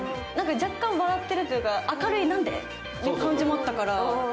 若干笑ってるというか、明るい「なんで」という感じもあったから。